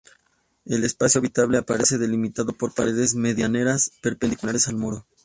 El espacio habitable aparece delimitado por paredes medianeras perpendiculares al muro.